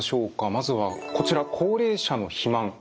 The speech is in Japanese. まずはこちら高齢者の肥満。